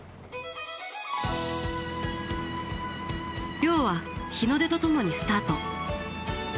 漁は日の出とともにスタート。